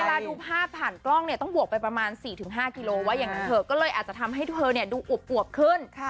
ดูภาพผ่านกล้องเนี่ยต้องบวกไปประมาณ๔๕กิโลว่าอย่างนั้นเถอะก็เลยอาจจะทำให้เธอดูอวบขึ้น